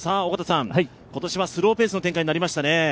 今年はスローペースの展開になりましたね。